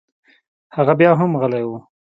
هغه بيا هم غلى و.